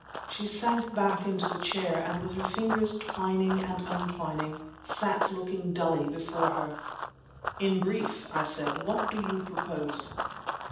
She sank back into the chair, and with her fingers twining and untwining, sat looking dully before her. "In brief," I said, "what do you propose?"